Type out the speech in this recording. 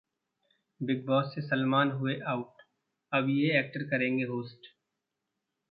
big Boss से सलमान हुए out, अब ये एक्टर करेंगे होस्ट